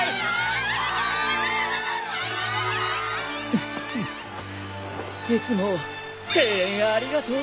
フッいつも声援ありがとう。